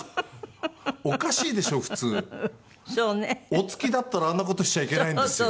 お付きだったらあんな事しちゃいけないんですよ。